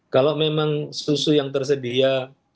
kalau memang susu yang tersedia